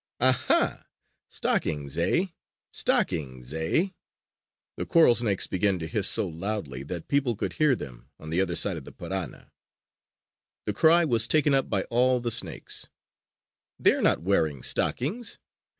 Aha! Stockings, eh? Stockings, eh?" The coral snakes began to hiss so loudly that people could hear them on the other side of the Parana. The cry was taken up by all the snakes: "They are not wearing stockings!